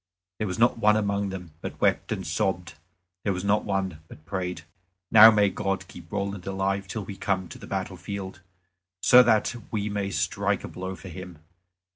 There was not one among them but wept and sobbed; there was not one but prayed, "Now, may God keep Roland alive till we come to the battle field, so that we may strike a blow for him."